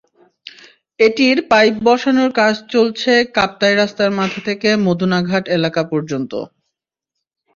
এটির পাইপ বসানোর কাজ চলছে কাপ্তাই রাস্তার মাথা থেকে মদুনাঘাট এলাকা পর্যন্ত।